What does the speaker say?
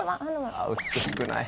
あっ美しくない。